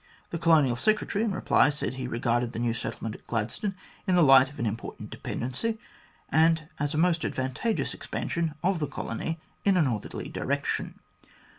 The Colonial Secretary, in reply, said lie regarded the new settlement at Gladstone in the light of an important dependency, and as a most advan tageous expansion of the colony in a northerly direction.